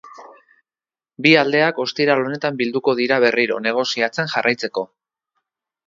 Bi aldeak ostiral honetan bilduko dira berriro negoziatzen jarraitzeko.